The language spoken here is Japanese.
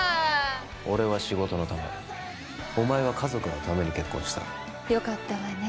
俺は仕事のためお前は家族のために結婚したよかったわね